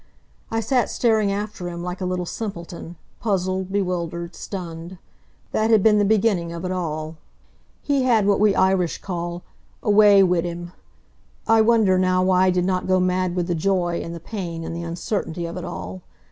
I sat staring after him like a little simpleton, puzzled, bewildered, stunned. That had been the beginning of it all. He had what we Irish call "a way wid him." I wonder now why I did not go mad with the joy, and the pain, and the uncertainty of it all.